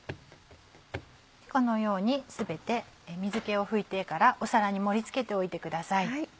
このように全て水気を拭いてから皿に盛り付けておいてください。